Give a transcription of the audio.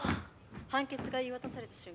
判決が言い渡された瞬間。